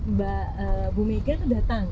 mbak bu mega itu datang